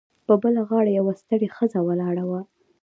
په بله غاړه یوه ستړې ښځه ولاړه وه